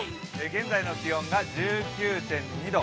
現在の気温が１９．２度。